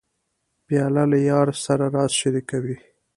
پیاله له یار سره راز شریکوي.